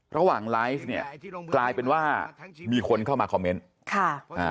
ระหว่างไลฟ์เนี่ยกลายเป็นว่ามีคนเข้ามาคอมเมนต์ค่ะอ่า